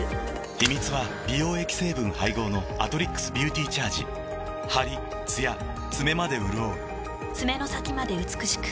秘密は美容液成分配合の「アトリックスビューティーチャージ」ハリ・つや爪までうるおう爪の先まで美しく。